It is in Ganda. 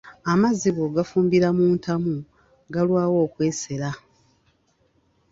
Amazzi bw'ogafumbira mu ntamu galwawo okwesera.